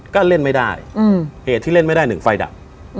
ก็เล่นไม่ได้เหตุที่เล่นไม่ได้หนึ่งไฟดับ